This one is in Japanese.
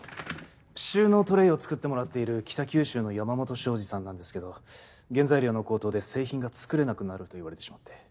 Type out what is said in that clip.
収納トレーを作ってもらっている北九州の山本商事さんなんですけど原材料の高騰で製品が作れなくなると言われてしまって。